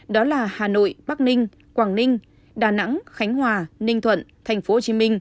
đó là hà nội bắc ninh quảng ninh đà nẵng khánh hòa ninh thuận tp hcm